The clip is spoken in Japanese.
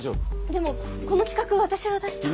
でもこの企画私が出した。